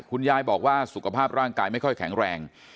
คุณยายบอกว่าสุขภาพร่างกายไม่ค่อยแข็งแรง